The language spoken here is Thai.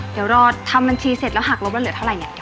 เดี๋ยวรอทำบัญชีเสร็จแล้วหักลบแล้วเหลือเท่าไหร่เนี่ย